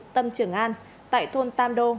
tâm trường an tại thôn tam đô